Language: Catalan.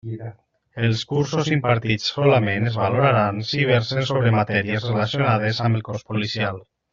Els cursos impartits solament es valoraran si versen sobre matèries relacionades amb el cos policial.